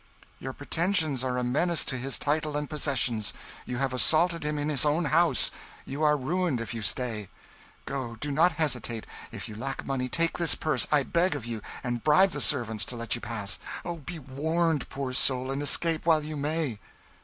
Your pretensions are a menace to his title and possessions; you have assaulted him in his own house: you are ruined if you stay. Go do not hesitate. If you lack money, take this purse, I beg of you, and bribe the servants to let you pass. Oh, be warned, poor soul, and escape while you may."